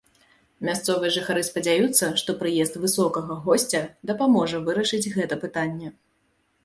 Мясцовыя жыхары спадзяюцца, што прыезд высокага госця дапаможа вырашыць гэта пытанне.